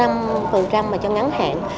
mà cho ngắn hạn